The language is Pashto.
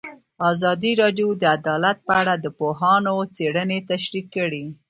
ازادي راډیو د عدالت په اړه د پوهانو څېړنې تشریح کړې.